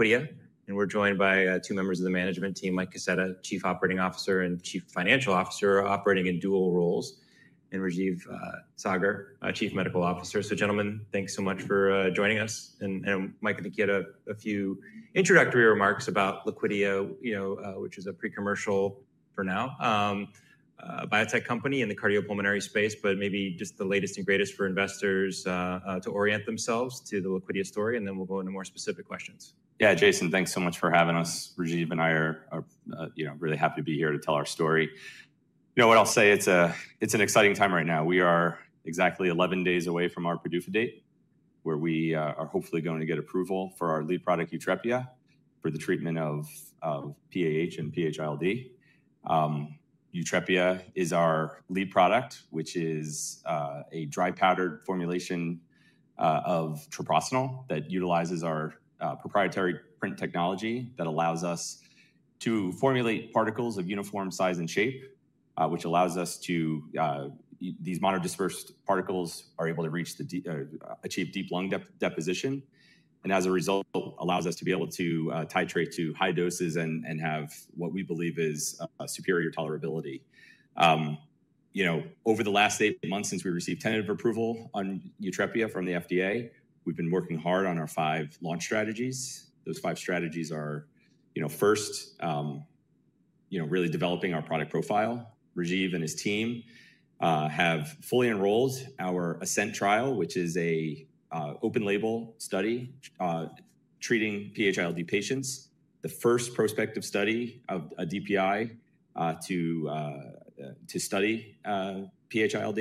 Liquidia, and we're joined by two members of the management team: Mike Kaseta, Chief Operating Officer and Chief Financial Officer, operating in dual roles, and Rajeev Saggar, Chief Medical Officer. Gentlemen, thanks so much for joining us. Mike, I think you had a few introductory remarks about Liquidia, which is a pre-commercial for now biotech company in the cardiopulmonary space, but maybe just the latest and greatest for investors to orient themselves to the Liquidia story. Then we'll go into more specific questions. Yeah, Jason, thanks so much for having us. Rajeev and I are really happy to be here to tell our story. You know what I'll say? It's an exciting time right now. We are exactly 11 days away from our PDUFA date, where we are hopefully going to get approval for our lead product, YUTREPIA, for the treatment of PAH and PH-ILD. YUTREPIA is our lead product, which is a dry powder formulation of Treprostinil that utilizes our proprietary PRINT technology that allows us to formulate particles of uniform size and shape, which allows us to—these monodispersed particles are able to achieve deep lung deposition. As a result, it allows us to be able to titrate to high doses and have what we believe is superior tolerability. Over the last eight months, since we received tentative approval on YUTREPIA from the FDA, we've been working hard on our five launch strategies. Those five strategies are, first, really developing our product profile. Rajeev and his team have fully enrolled our ASCENT trial, which is an open-label study treating PH-ILD patients, the first prospective study of a DPI to study PH-ILD.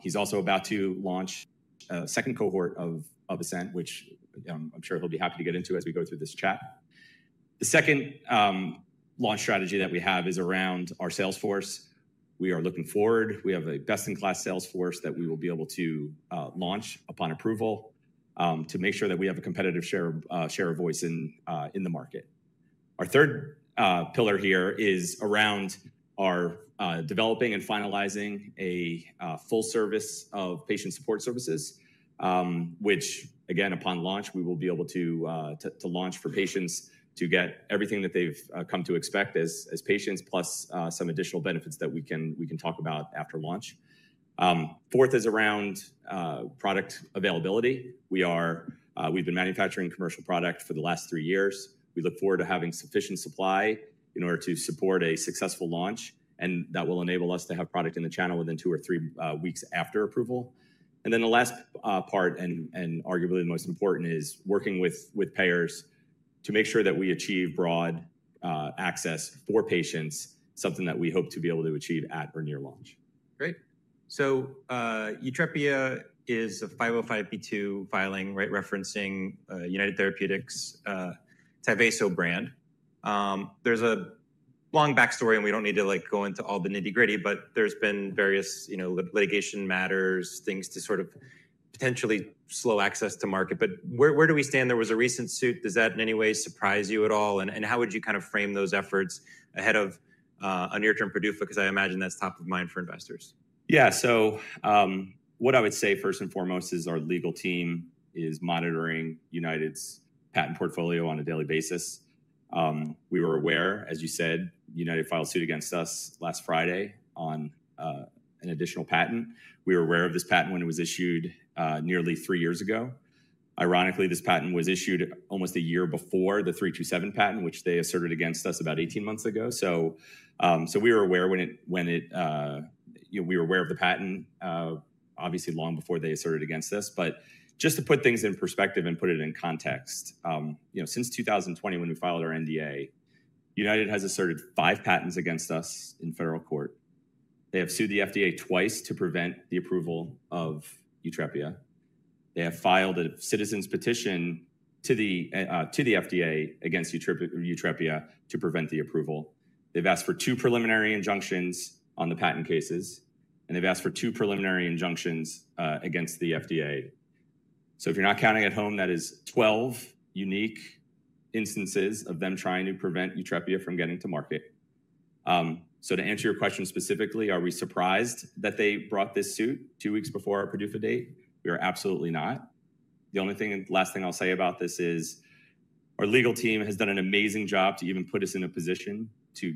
He's also about to launch a second cohort of ASCENT, which I'm sure he'll be happy to get into as we go through this chat. The second launch strategy that we have is around our sales force. We are looking forward. We have a best-in-class sales force that we will be able to launch upon approval to make sure that we have a competitive share of voice in the market. Our third pillar here is around our developing and finalizing a full service of patient support services, which, again, upon launch, we will be able to launch for patients to get everything that they've come to expect as patients, plus some additional benefits that we can talk about after launch. Fourth is around product availability. We've been manufacturing commercial product for the last three years. We look forward to having sufficient supply in order to support a successful launch, and that will enable us to have product in the channel within two or three weeks after approval. The last part, and arguably the most important, is working with payers to make sure that we achieve broad access for patients, something that we hope to be able to achieve at or near launch. Great. Utrepia is a 505(b)(2) filing referencing United Therapeutics' Tyvaso brand. There is a long backstory, and we do not need to go into all the nitty-gritty, but there have been various litigation matters, things to sort of potentially slow access to market. Where do we stand? There was a recent suit. Does that in any way surprise you at all? How would you kind of frame those efforts ahead of a near-term PDUFA? I imagine that is top of mind for investors. Yeah. So what I would say first and foremost is our legal team is monitoring United's patent portfolio on a daily basis. We were aware, as you said, United filed a suit against us last Friday on an additional patent. We were aware of this patent when it was issued nearly three years ago. Ironically, this patent was issued almost a year before the 327 patent, which they asserted against us about 18 months ago. We were aware of the patent, obviously, long before they asserted against us. Just to put things in perspective and put it in context, since 2020, when we filed our NDA, United has asserted five patents against us in federal court. They have sued the FDA twice to prevent the approval of YUTREPIA. They have filed a citizens' petition to the FDA against YUTREPIA to prevent the approval. They've asked for two preliminary injunctions on the patent cases, and they've asked for two preliminary injunctions against the FDA. If you're not counting at home, that is 12 unique instances of them trying to prevent YUTREPIA from getting to market. To answer your question specifically, are we surprised that they brought this suit two weeks before our PDUFA date? We are absolutely not. The only last thing I'll say about this is our legal team has done an amazing job to even put us in a position to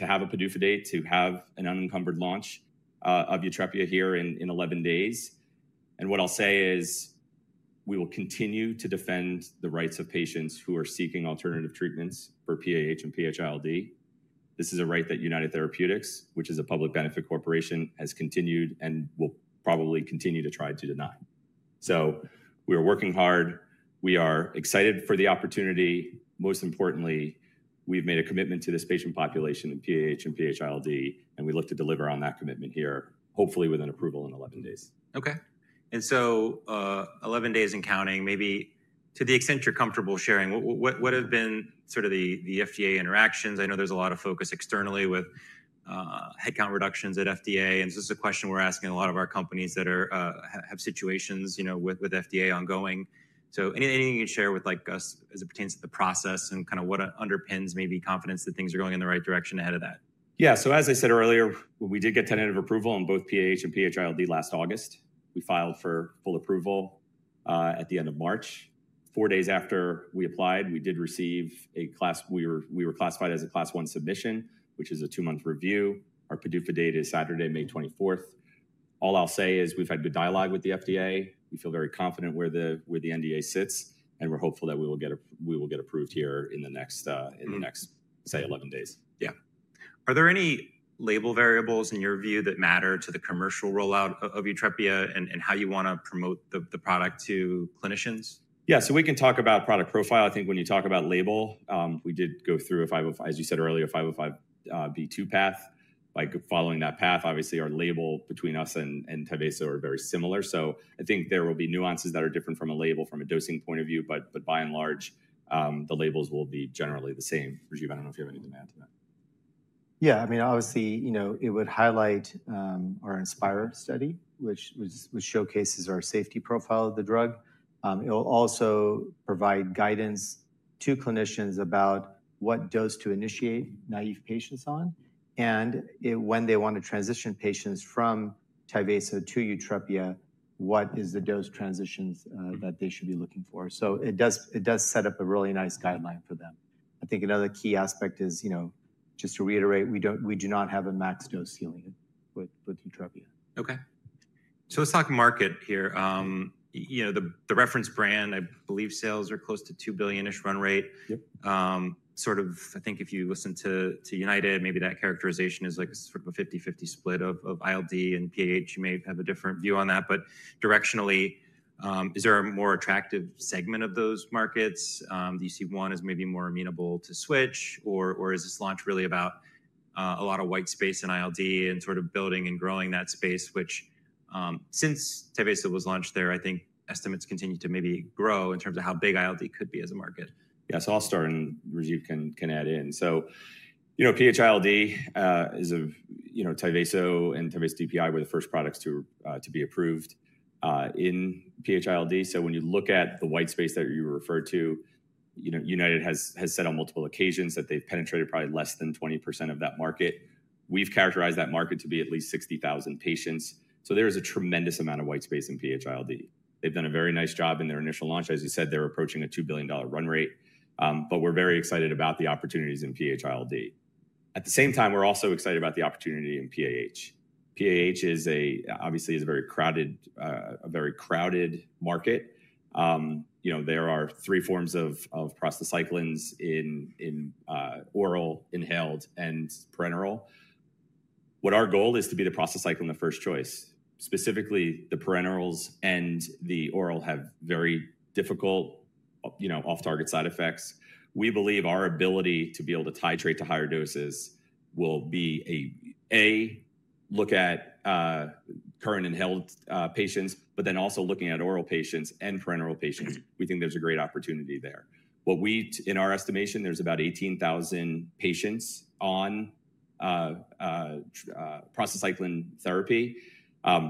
have a PDUFA date, to have an unencumbered launch of YUTREPIA here in 11 days. What I'll say is we will continue to defend the rights of patients who are seeking alternative treatments for PAH and PH-ILD. This is a right that United Therapeutics, which is a public benefit corporation, has continued and will probably continue to try to deny. We are working hard. We are excited for the opportunity. Most importantly, we've made a commitment to this patient population in PAH and PH-ILD, and we look to deliver on that commitment here, hopefully with an approval in 11 days. Okay. And so 11 days and counting, maybe to the extent you're comfortable sharing, what have been sort of the FDA interactions? I know there's a lot of focus externally with headcount reductions at FDA, and this is a question we're asking a lot of our companies that have situations with FDA ongoing. So anything you can share with us as it pertains to the process and kind of what underpins maybe confidence that things are going in the right direction ahead of that? Yeah. As I said earlier, we did get tentative approval on both PAH and PH-ILD last August. We filed for full approval at the end of March. Four days after we applied, we did receive a class one submission, which is a two-month review. Our PDUFA date is Saturday, May 24. All I'll say is we've had good dialogue with the FDA. We feel very confident where the NDA sits, and we're hopeful that we will get approved here in the next, say, 11 days. Yeah. Are there any label variables, in your view, that matter to the commercial rollout of YUTREPIA and how you want to promote the product to clinicians? Yeah. So we can talk about product profile. I think when you talk about label, we did go through, as you said earlier, a 505(b)(2) path. By following that path, obviously, our label between us and Tyvaso are very similar. I think there will be nuances that are different from a label from a dosing point of view, but by and large, the labels will be generally the same. Rajeev, I do not know if you have any demand on that. Yeah. I mean, obviously, it would highlight our Inspire study, which showcases our safety profile of the drug. It will also provide guidance to clinicians about what dose to initiate naive patients on. When they want to transition patients from Tyvaso to YUTREPIA, what is the dose transitions that they should be looking for? It does set up a really nice guideline for them. I think another key aspect is, just to reiterate, we do not have a max dose ceiling with YUTREPIA. Okay. So let's talk market here. The reference brand, I believe sales are close to $2 billion-ish run rate. Sort of, I think if you listen to United, maybe that characterization is sort of a 50/50 split of ILD and PAH. You may have a different view on that. But directionally, is there a more attractive segment of those markets? Do you see one as maybe more amenable to switch, or is this launch really about a lot of white space in ILD and sort of building and growing that space, which since Tyvaso was launched there, I think estimates continue to maybe grow in terms of how big ILD could be as a market? Yeah. I'll start, and Rajeev can add in. PH-ILD is, Tyvaso and Tyvaso DPI were the first products to be approved in PH-ILD. When you look at the white space that you referred to, United has said on multiple occasions that they've penetrated probably less than 20% of that market. We've characterized that market to be at least 60,000 patients. There is a tremendous amount of white space in PH-ILD. They've done a very nice job in their initial launch. As you said, they're approaching a $2 billion run rate. We're very excited about the opportunities in PH-ILD. At the same time, we're also excited about the opportunity in PAH. PAH obviously is a very crowded market. There are three forms of prostacyclins in oral, inhaled, and parenteral. What our goal is to be the prostacyclin, the first choice. Specifically, the parenterals and the oral have very difficult off-target side effects. We believe our ability to be able to titrate to higher doses will be a, a look at current inhaled patients, but then also looking at oral patients and parenteral patients, we think there's a great opportunity there. In our estimation, there's about 18,000 patients on prostacyclin therapy.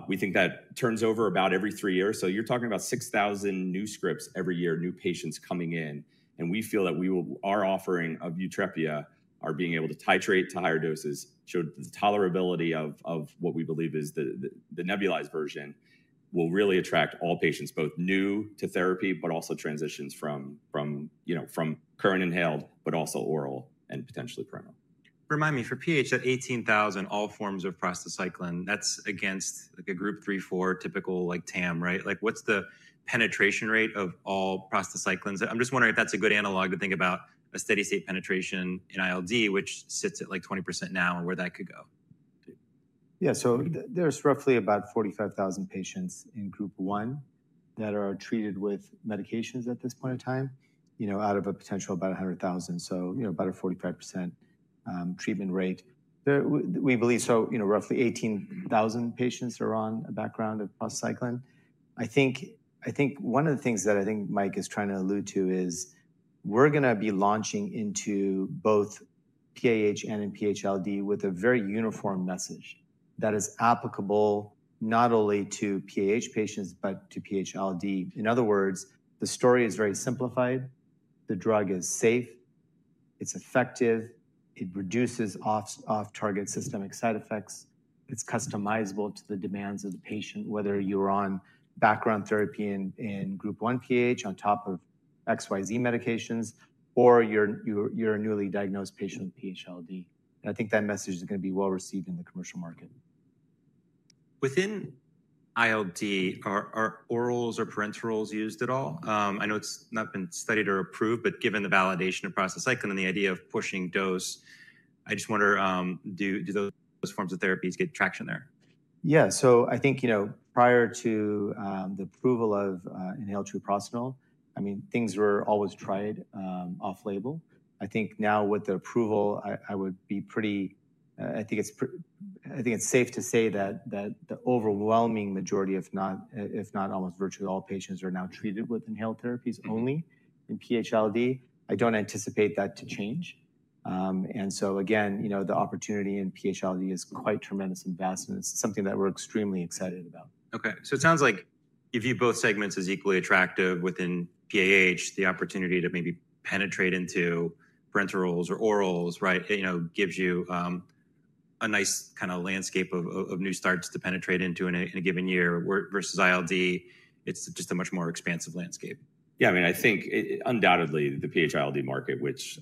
We think that turns over about every three years. You are talking about 6,000 new scripts every year, new patients coming in. We feel that our offering of YUTREPIA, our being able to titrate to higher doses, showed the tolerability of what we believe is the nebulized version will really attract all patients, both new to therapy, but also transitions from current inhaled, but also oral and potentially parenteral. Remind me, for PH at 18,000, all forms of prostacyclin, that's against a group three, four, typical TAM, right? What's the penetration rate of all prostacyclins? I'm just wondering if that's a good analog to think about a steady state penetration in ILD, which sits at like 20% now, and where that could go. Yeah. There's roughly about 45,000 patients in group one that are treated with medications at this point in time out of a potential about 100,000. So about a 45% treatment rate. Roughly 18,000 patients are on a background of prostacyclin. I think one of the things that I think Mike is trying to allude to is we're going to be launching into both PAH and in PH-ILD with a very uniform message that is applicable not only to PAH patients, but to PH-ILD. In other words, the story is very simplified. The drug is safe. It's effective. It reduces off-target systemic side effects. It's customizable to the demands of the patient, whether you're on background therapy in group one PAH on top of XYZ medications, or you're a newly diagnosed patient with PH-ILD. I think that message is going to be well received in the commercial market. Within ILD, are orals or parenterals used at all? I know it's not been studied or approved, but given the validation of prostacyclin, the idea of pushing dose, I just wonder, do those forms of therapies get traction there? Yeah. So I think prior to the approval of inhaled treprostinil, I mean, things were always tried off-label. I think now with the approval, I would be pretty—I think it's safe to say that the overwhelming majority, if not almost virtually all patients, are now treated with inhaled therapies only in PH-ILD. I don't anticipate that to change. Again, the opportunity in PH-ILD is quite tremendous and vast, and it's something that we're extremely excited about. Okay. It sounds like if you view both segments as equally attractive within PAH, the opportunity to maybe penetrate into parenterals or orals, right, gives you a nice kind of landscape of new starts to penetrate into in a given year versus ILD. It is just a much more expansive landscape. Yeah. I mean, I think undoubtedly the PH-ILD market, which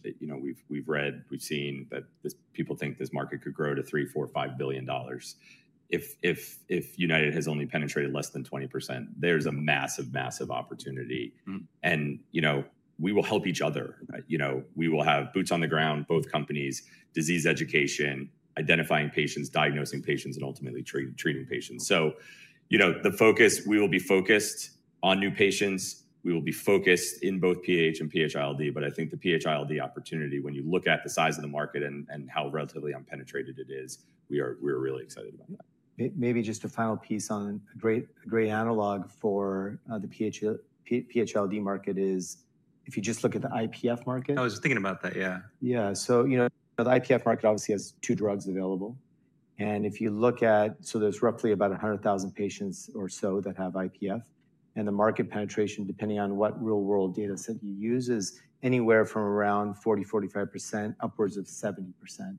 we've read, we've seen that people think this market could grow to $3 billion, $4 billion, $5 billion if United has only penetrated less than 20%. There's a massive, massive opportunity. We will help each other. We will have boots on the ground, both companies, disease education, identifying patients, diagnosing patients, and ultimately treating patients. The focus, we will be focused on new patients. We will be focused in both PAH and PH-ILD. I think the PH-ILD opportunity, when you look at the size of the market and how relatively unpenetrated it is, we are really excited about that. Maybe just a final piece on a great analog for the PH-ILD market is if you just look at the IPF market. I was just thinking about that. Yeah. Yeah. The IPF market obviously has two drugs available. If you look at—so there's roughly about 100,000 patients or so that have IPF. The market penetration, depending on what real-world data set you use, is anywhere from around 40%-45% upwards of 70%.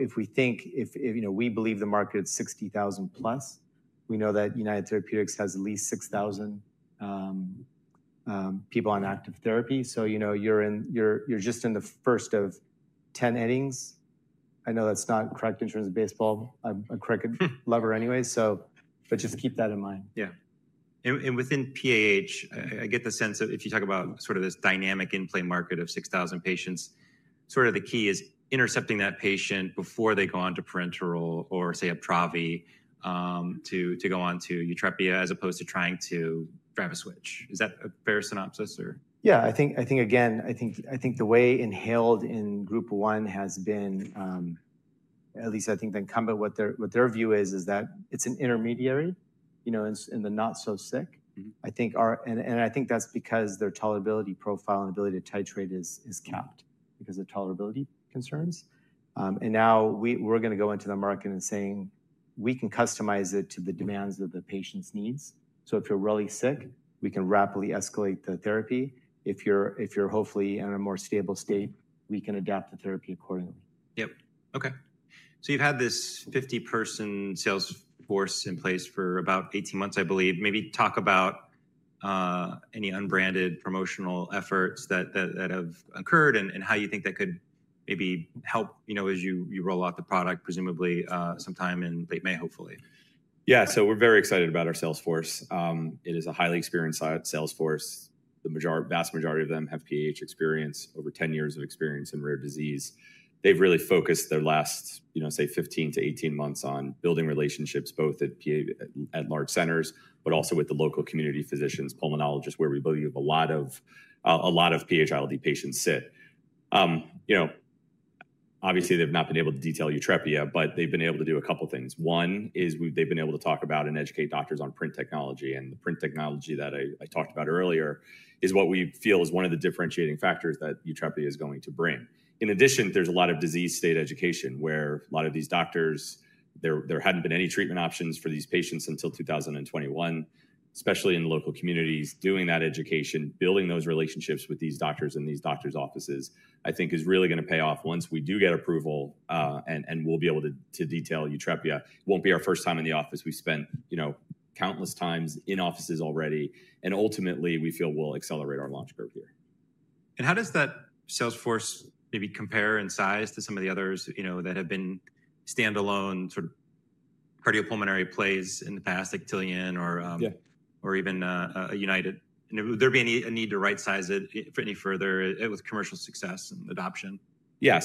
If we think—if we believe the market is 60,000-plus, we know that United Therapeutics has at least 6,000 people on active therapy. You're just in the first of 10 innings. I know that's not correct in terms of baseball. I'm a cricket lover anyway, but just keep that in mind. Yeah. Within PAH, I get the sense if you talk about sort of this dynamic in-play market of 6,000 patients, sort of the key is intercepting that patient before they go on to parenteral or, say, a Treprostinil to go on to YUTREPIA as opposed to trying to drive a switch. Is that a fair synopsis, or? Yeah. I think, again, I think the way inhaled in group one has been, at least I think the incumbent, what their view is, is that it's an intermediary in the not-so-sick. I think that's because their tolerability profile and ability to titrate is capped because of tolerability concerns. Now we're going to go into the market and saying, "We can customize it to the demands of the patient's needs." If you're really sick, we can rapidly escalate the therapy. If you're hopefully in a more stable state, we can adapt the therapy accordingly. Yep. Okay. So you've had this 50-person sales force in place for about 18 months, I believe. Maybe talk about any unbranded promotional efforts that have occurred and how you think that could maybe help as you roll out the product, presumably sometime in late May, hopefully. Yeah. We are very excited about our sales force. It is a highly experienced sales force. The vast majority of them have PAH experience, over 10 years of experience in rare disease. They have really focused their last, say, 15-18 months on building relationships both at large centers, but also with the local community physicians, pulmonologists, where we believe a lot of PH-ILD patients sit. Obviously, they have not been able to detail YUTREPIA, but they have been able to do a couple of things. One is they have been able to talk about and educate doctors on PRINT technology. The PRINT technology that I talked about earlier is what we feel is one of the differentiating factors that YUTREPIA is going to bring. In addition, there's a lot of disease state education where a lot of these doctors, there hadn't been any treatment options for these patients until 2021, especially in local communities. Doing that education, building those relationships with these doctors and these doctors' offices, I think, is really going to pay off once we do get approval and we'll be able to detail YUTREPIA. It won't be our first time in the office. We've spent countless times in offices already. Ultimately, we feel we'll accelerate our launch curve here. How does that sales force maybe compare in size to some of the others that have been standalone sort of cardiopulmonary plays in the past, like Tillian or even United? Would there be a need to right-size it for any further commercial success and adoption? Yeah.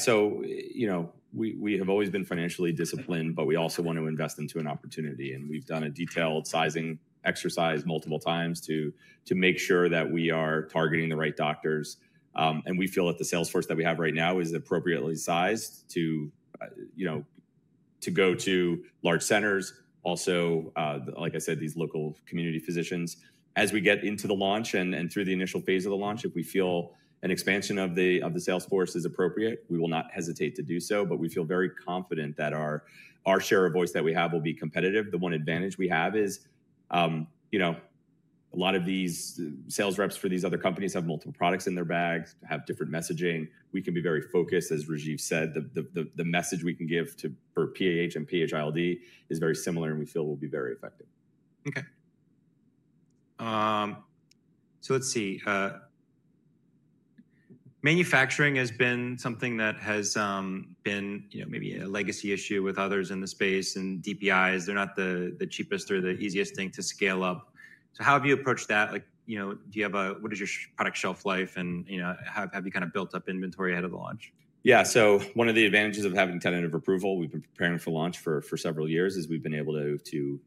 We have always been financially disciplined, but we also want to invest into an opportunity. We have done a detailed sizing exercise multiple times to make sure that we are targeting the right doctors. We feel that the sales force that we have right now is appropriately sized to go to large centers, also, like I said, these local community physicians. As we get into the launch and through the initial phase of the launch, if we feel an expansion of the sales force is appropriate, we will not hesitate to do so. We feel very confident that our share of voice that we have will be competitive. The one advantage we have is a lot of these sales reps for these other companies have multiple products in their bags, have different messaging. We can be very focused, as Rajeev said. The message we can give for PAH and PH-ILD is very similar, and we feel will be very effective. Okay. Let's see. Manufacturing has been something that has been maybe a legacy issue with others in the space, and DPIs, they're not the cheapest or the easiest thing to scale up. How have you approached that? Do you have a—what is your product shelf life? Have you kind of built up inventory ahead of the launch? Yeah. One of the advantages of having tentative approval, we've been preparing for launch for several years, is we've been able to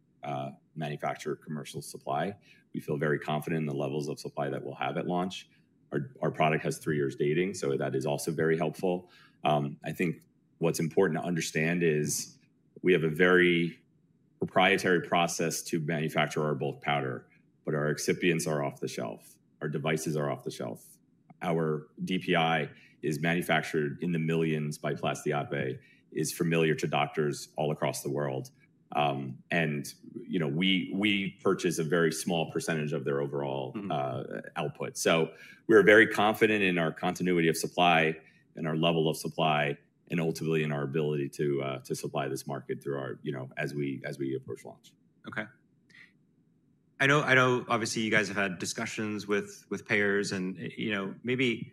manufacture commercial supply. We feel very confident in the levels of supply that we'll have at launch. Our product has three years' dating, so that is also very helpful. I think what's important to understand is we have a very proprietary process to manufacture our bulk powder, but our excipients are off the shelf. Our devices are off the shelf. Our DPI is manufactured in the millions by Plastiape, is familiar to doctors all across the world. We purchase a very small percentage of their overall output. We're very confident in our continuity of supply and our level of supply, and ultimately in our ability to supply this market as we approach launch. Okay. I know, obviously, you guys have had discussions with payers. And maybe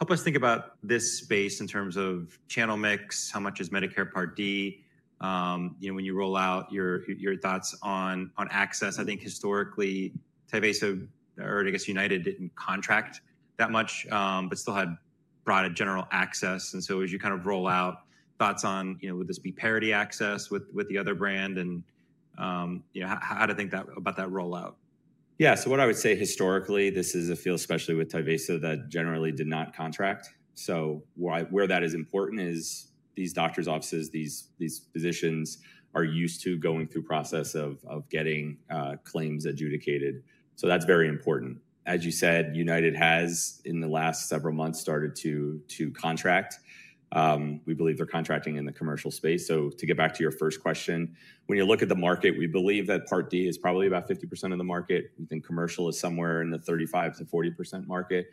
help us think about this space in terms of channel mix, how much is Medicare Part D when you roll out, your thoughts on access. I think historically, Tyvaso or, I guess, United didn't contract that much, but still had broad general access. And so as you kind of roll out, thoughts on, would this be parity access with the other brand? And how do you think about that rollout? Yeah. What I would say historically, this is a field, especially with Tyvaso, that generally did not contract. Where that is important is these doctors' offices, these physicians are used to going through the process of getting claims adjudicated. That is very important. As you said, United has, in the last several months, started to contract. We believe they are contracting in the commercial space. To get back to your first question, when you look at the market, we believe that Part D is probably about 50% of the market. We think commercial is somewhere in the 35%-40% market.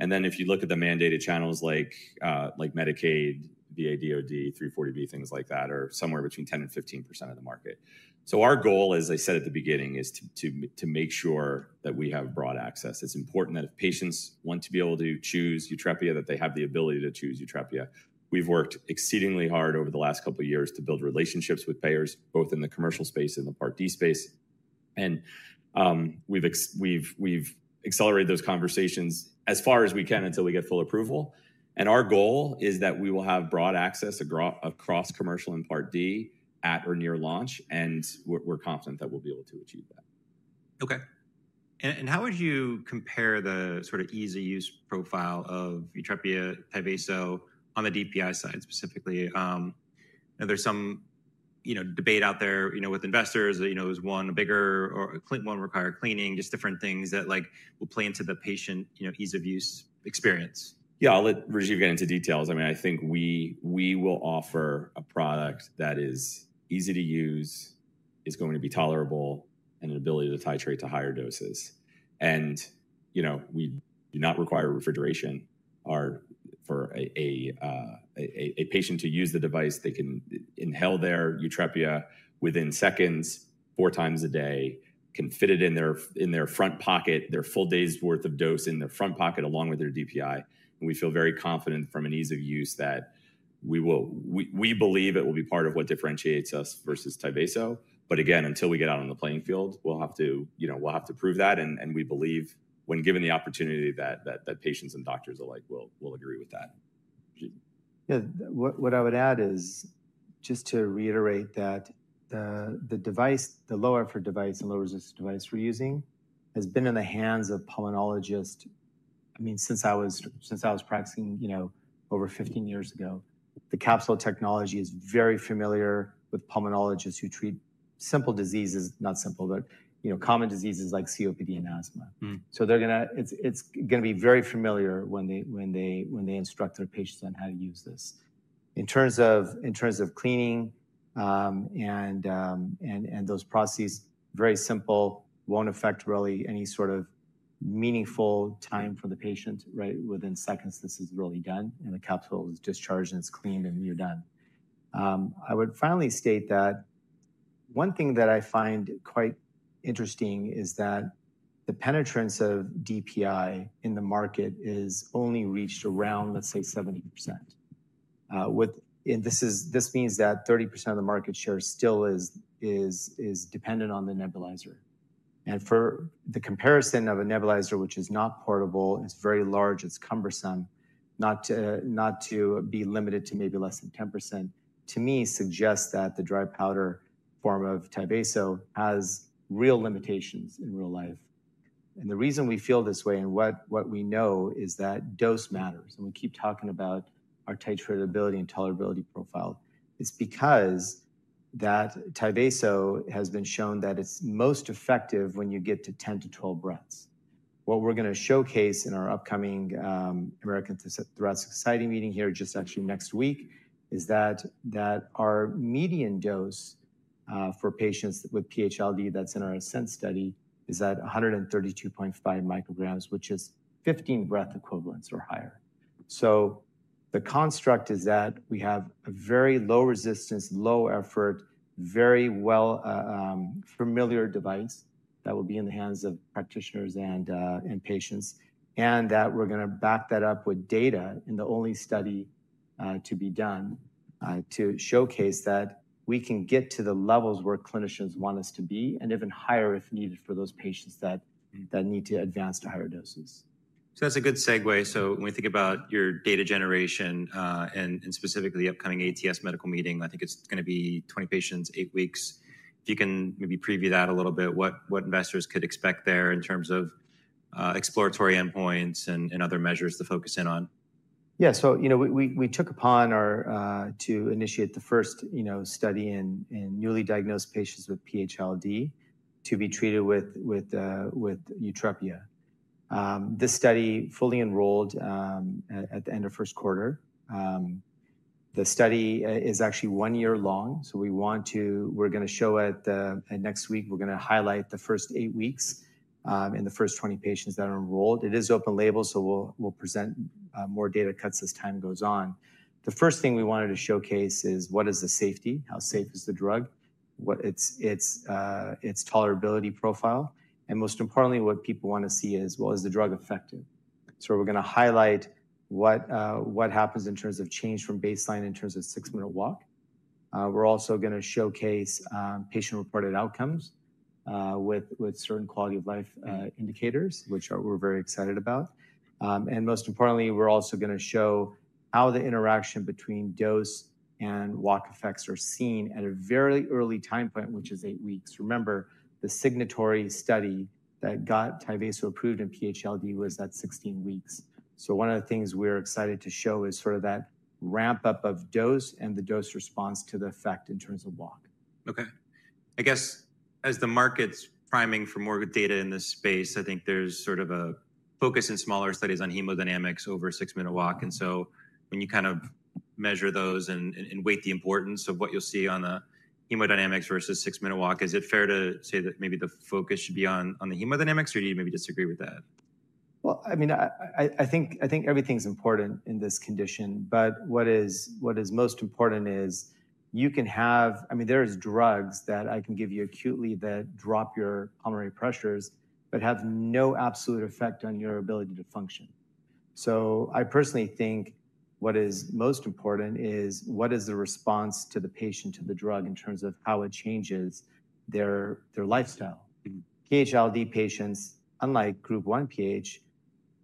If you look at the mandated channels like Medicaid, VA/DoD, 340B, things like that, those are somewhere between 10%-15% of the market. Our goal, as I said at the beginning, is to make sure that we have broad access. It's important that if patients want to be able to choose YUTREPIA, that they have the ability to choose YUTREPIA. We've worked exceedingly hard over the last couple of years to build relationships with payers, both in the commercial space and the Part D space. We've accelerated those conversations as far as we can until we get full approval. Our goal is that we will have broad access across commercial and Part D at or near launch. We're confident that we'll be able to achieve that. Okay. How would you compare the sort of easy-use profile of YUTREPIA, Tyvaso on the DPI side specifically? There's some debate out there with investors. There's one bigger or one requires cleaning, just different things that will play into the patient ease-of-use experience. Yeah. I'll let Rajeev get into details. I mean, I think we will offer a product that is easy to use, is going to be tolerable, and an ability to titrate to higher doses. We do not require refrigeration for a patient to use the device. They can inhale their YUTREPIA within seconds, four times a day, can fit it in their front pocket, their full day's worth of dose in their front pocket along with their DPI. We feel very confident from an ease-of-use that we believe it will be part of what differentiates us versus Tyvaso. Again, until we get out on the playing field, we'll have to prove that. We believe when given the opportunity that patients and doctors alike will agree with that. Yeah. What I would add is just to reiterate that the device, the low-effort device and low-resistance device we're using has been in the hands of pulmonologists. I mean, since I was practicing over 15 years ago, the capsule technology is very familiar with pulmonologists who treat simple diseases, not simple, but common diseases like COPD and asthma. It is going to be very familiar when they instruct their patients on how to use this. In terms of cleaning and those processes, very simple, will not affect really any sort of meaningful time for the patient, right? Within seconds, this is really done. The capsule is discharged, and it is cleaned, and you are done. I would finally state that one thing that I find quite interesting is that the penetrance of DPI in the market has only reached around, let's say, 70%. This means that 30% of the market share still is dependent on the nebulizer. For the comparison of a nebulizer, which is not portable, it's very large, it's cumbersome, not to be limited to maybe less than 10%, to me suggests that the dry powder form of Tyvaso has real limitations in real life. The reason we feel this way and what we know is that dose matters. We keep talking about our titratability and tolerability profile. It's because Tyvaso has been shown that it's most effective when you get to 10-12 breaths. What we're going to showcase in our upcoming American Thoracic Society meeting here just actually next week is that our median dose for patients with PH-ILD that's in our ASCENT study is at 132.5 micrograms, which is 15 breath equivalents or higher. The construct is that we have a very low resistance, low effort, very well-familiar device that will be in the hands of practitioners and patients, and that we're going to back that up with data in the only study to be done to showcase that we can get to the levels where clinicians want us to be and even higher if needed for those patients that need to advance to higher doses. That's a good segue. When we think about your data generation and specifically the upcoming ATS medical meeting, I think it's going to be 20 patients, eight weeks. If you can maybe preview that a little bit, what investors could expect there in terms of exploratory endpoints and other measures to focus in on? Yeah. So we took upon our initiative to initiate the first study in newly diagnosed patients with PH-ILD to be treated with YUTREPIA. This study fully enrolled at the end of first quarter. The study is actually one year long. We're going to show it next week. We're going to highlight the first eight weeks in the first 20 patients that are enrolled. It is open label, so we'll present more data cuts as time goes on. The first thing we wanted to showcase is what is the safety, how safe is the drug, its tolerability profile. Most importantly, what people want to see is, well, is the drug effective? We're going to highlight what happens in terms of change from baseline in terms of six-minute walk. We're also going to showcase patient-reported outcomes with certain quality of life indicators, which we're very excited about. Most importantly, we're also going to show how the interaction between dose and walk effects are seen at a very early time point, which is eight weeks. Remember, the signatory study that got Tyvaso approved in PH-ILD was at 16 weeks. One of the things we're excited to show is sort of that ramp-up of dose and the dose response to the effect in terms of walk. Okay. I guess as the market's priming for more data in this space, I think there's sort of a focus in smaller studies on hemodynamics over a six-minute walk. And so when you kind of measure those and weigh the importance of what you'll see on the hemodynamics versus six-minute walk, is it fair to say that maybe the focus should be on the hemodynamics, or do you maybe disagree with that? I mean, I think everything's important in this condition. But what is most important is you can have—I mean, there are drugs that I can give you acutely that drop your pulmonary pressures but have no absolute effect on your ability to function. So I personally think what is most important is what is the response to the patient to the drug in terms of how it changes their lifestyle. PH-ILD patients, unlike group 1 PH,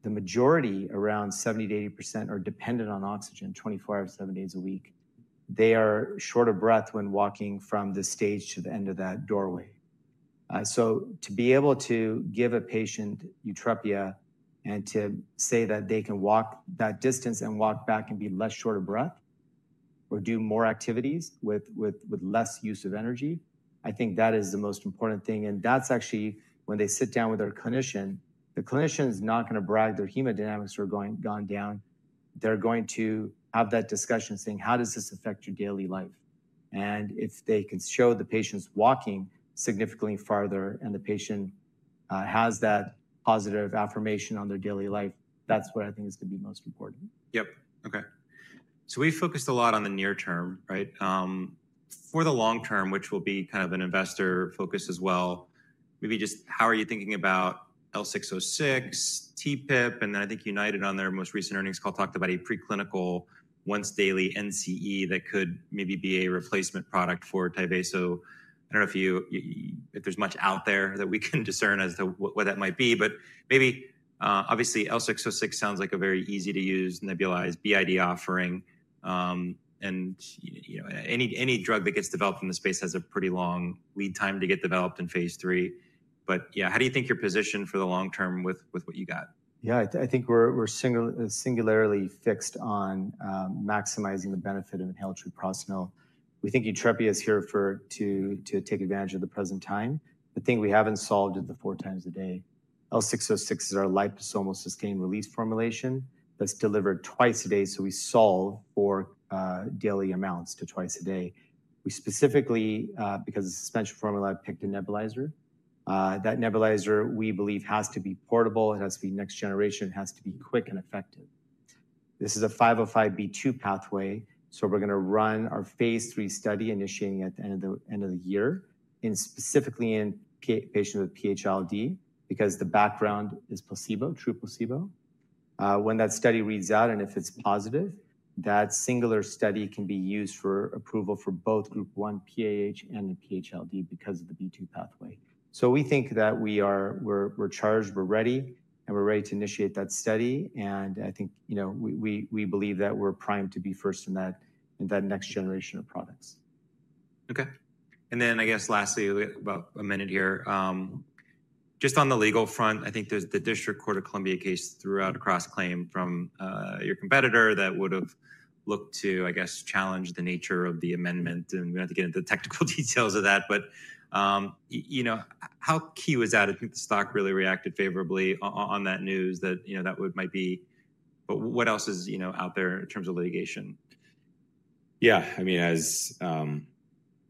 the majority, around 70%-80%, are dependent on oxygen 24 hours a day, seven days a week. They are short of breath when walking from the stage to the end of that doorway. To be able to give a patient YUTREPIA and to say that they can walk that distance and walk back and be less short of breath or do more activities with less use of energy, I think that is the most important thing. That's actually when they sit down with their clinician, the clinician is not going to brag their hemodynamics are gone down. They're going to have that discussion saying, "How does this affect your daily life?" If they can show the patient's walking significantly farther and the patient has that positive affirmation on their daily life, that's what I think is going to be most important. Yep. Okay. So we focused a lot on the near term, right? For the long term, which will be kind of an investor focus as well, maybe just how are you thinking about L606, TPIP, and then I think United on their most recent earnings call talked about a preclinical once-daily NCE that could maybe be a replacement product for Tyvaso. I do not know if there is much out there that we can discern as to what that might be. Maybe, obviously, L606 sounds like a very easy-to-use nebulized bid offering. Any drug that gets developed in the space has a pretty long lead time to get developed in phase three. Yeah, how do you think you are positioned for the long term with what you got? Yeah. I think we're singularly fixed on maximizing the benefit of inhaled treprostinil. We think YUTREPIA is here to take advantage of the present time. The thing we haven't solved is the four times a day. L606 is our liposomal sustained-release formulation that's delivered twice a day. So we solve for daily amounts to twice a day. We specifically, because of the suspension formula, picked a nebulizer. That nebulizer, we believe, has to be portable. It has to be next generation. It has to be quick and effective. This is a 505(b)(2) pathway. We're going to run our phase three study initiating at the end of the year specifically in patients with PH-ILD because the background is placebo, true placebo. When that study reads out and if it's positive, that singular study can be used for approval for both group 1 PAH and the PH-ILD because of the 505(b)(2) pathway. We think that we're charged, we're ready, and we're ready to initiate that study. I think we believe that we're primed to be first in that next generation of products. Okay. I guess lastly, about a minute here, just on the legal front, I think the District Court of Columbia case threw out a cross-claim from your competitor that would have looked to, I guess, challenge the nature of the amendment. We do not have to get into the technical details of that. How key was that? I think the stock really reacted favorably on that news that that might be. What else is out there in terms of litigation? Yeah. I mean, as our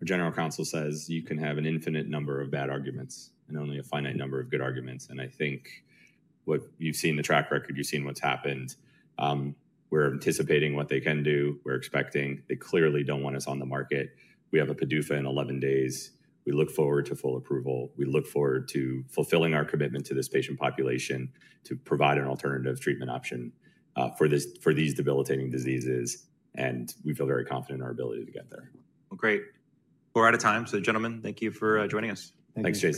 general counsel says, you can have an infinite number of bad arguments and only a finite number of good arguments. I think what you've seen in the track record, you've seen what's happened. We're anticipating what they can do. We're expecting they clearly don't want us on the market. We have a PDUFA in 11 days. We look forward to full approval. We look forward to fulfilling our commitment to this patient population to provide an alternative treatment option for these debilitating diseases. We feel very confident in our ability to get there. Great. We're out of time. So gentlemen, thank you for joining us. Thank you.